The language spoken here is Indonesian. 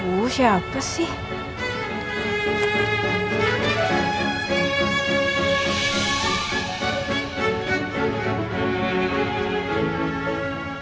oh siapa sih